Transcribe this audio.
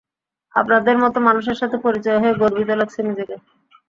আপনাদের মতো মানুষের সাথে পরিচয় হয়ে গর্বিত লাগছে নিজেকে!